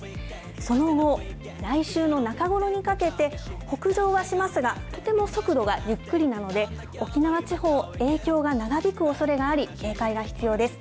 その後、来週の中頃にかけて、北上はしますが、とても速度がゆっくりなので、沖縄地方、影響が長引くおそれがあり、警戒が必要です。